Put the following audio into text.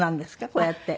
こうやって。